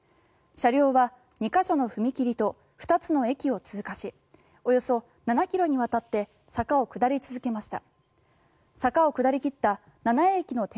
車両は２か所の踏切と２つの駅を通過しおよそ７ｋｍにわたって坂を下り続けました。